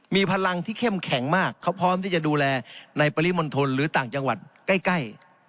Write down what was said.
มีพลังที่เข้มแข็งมากเขาพร้อมที่จะดูแลในปริมณฑลหรือต่างจังหวัดใกล้